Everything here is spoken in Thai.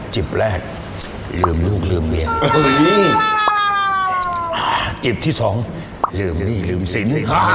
จิบแรกลืมลูกลืมเมียจิบที่สองลืมนี่ลืมสิน